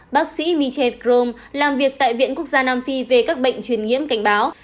bác sĩ michel frome làm việc tại viện quốc gia nam phi về các bệnh truyền nhiễm cảnh báo